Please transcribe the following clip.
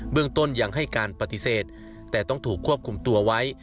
เรื่องต้นยังให้การปฏิเสธแต่ต้องถูกควบคุมตัวไว้